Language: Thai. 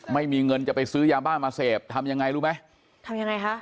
ไม่มีเงินจะไปซื้อยาบ้ามาเสพทำยังไงรู้ไหมทำยังไงคะ